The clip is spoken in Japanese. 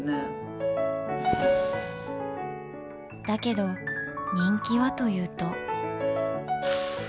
だけど人気はというと。